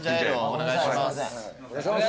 お願いします。